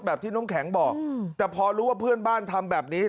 ที่น้ำแข็งบอกแต่พอรู้ว่าเพื่อนบ้านทำแบบนี้